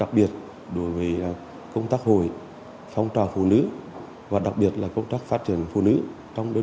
đặc biệt đối với công tác hội phong trào phụ nữ và đặc biệt là công tác phát triển phụ nữ trong